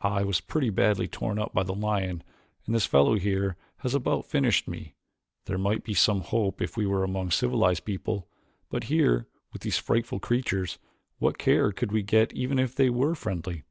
I was pretty badly torn up by the lion and this fellow here has about finished me. There might be some hope if we were among civilized people, but here with these frightful creatures what care could we get even if they were friendly?"